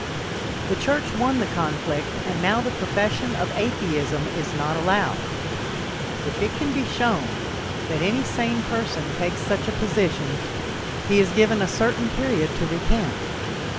The Church won the conflict and now the profession of atheism is not allowed. If it can be shown that any sane person takes such a position, he is given a certain period to recant.